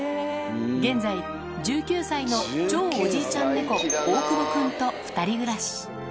現在、１９歳の超おじいちゃん猫、大久保くんと２人暮らし。